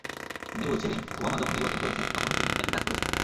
তিনি বলছিলেন, ওবামা যখন নির্বাচন করেছেন, তখনো তিনি একই কাজ করেছেন।